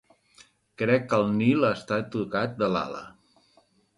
Crec que el Nil està tocat de l'ala.